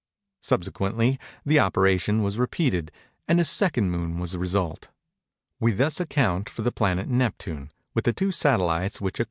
Subsequently, the operation was repeated, and a second moon was the result. We thus account for the planet Neptune, with the two satellites which accompany him.